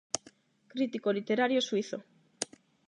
Crítico literario suízo.